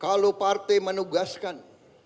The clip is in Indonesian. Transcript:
kalau partai menugaskan